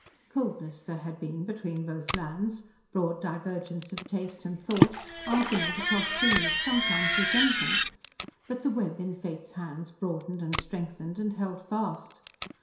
Coldness there had been between both lands, broad divergence of taste and thought, argument across seas, sometimes resentment, but the web in Fate's hands broadened and strengthened and held fast.